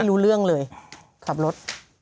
รู้เรื่องเลยขับรถ